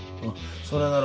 それなら。